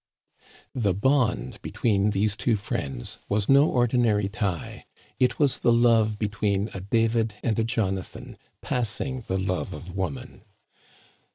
The bond between these two friends was no ordi nary tie ; it was the love between a David and a Jona than, " passing the love of woman."